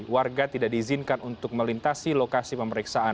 warga tidak diizinkan untuk melintasi lokasi pemeriksaan